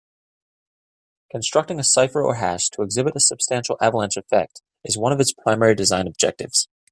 Constructing a cipher or hash to exhibit a substantial avalanche effect is one of its primary design objectives.